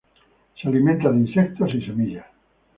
Se alimentan de insectos y semillas.